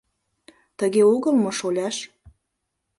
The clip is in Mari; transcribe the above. Тыге огыл мо, шоляш?